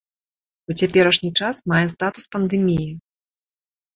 У цяперашні час мае статус пандэміі.